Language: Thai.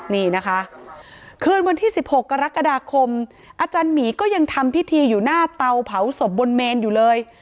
นี่นะคะคืนวันที่๑๖กรกฎาคมอาจารย์หมีก็ยังทำพิธีอยู่หน้าเตาเผาศพบนเมนอยู่เลย